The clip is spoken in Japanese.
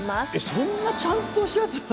そんなちゃんとしたやつなの？